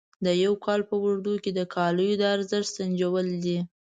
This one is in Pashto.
د یو کال په اوږدو د کالیو د ارزښت سنجول دي.